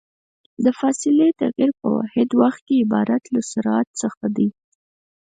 د فاصلې تغير په واحد وخت کې عبارت د سرعت څخه ده.